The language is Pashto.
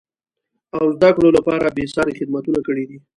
او زده کړو لپاره بېسارې خدمتونه کړیدي.